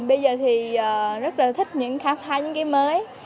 bây giờ thì rất là thích những khám phá những cái mới